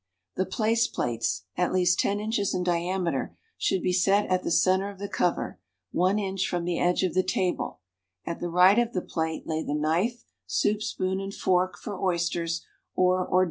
The jjlace jjlates, at least ten inches in diameter, shoidd be set at the center of the cover, one inch from the edge of tlie tabic; at the right of the plate lay the knife, souj) spoon and fork for oysters or lujrs d"